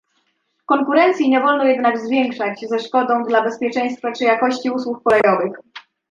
Konkurencji nie wolno jednak zwiększać ze szkodą dla bezpieczeństwa czy jakości usług kolejowych